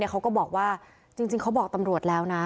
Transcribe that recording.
เขาก็บอกว่าจริงเขาบอกตำรวจแล้วนะ